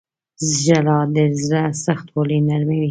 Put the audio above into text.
• ژړا د زړه سختوالی نرموي.